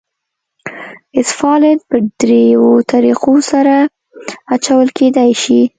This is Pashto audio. اسفالټ په دریو طریقو سره اچول کېدای شي